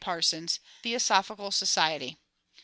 Parsons. Theosophical Society.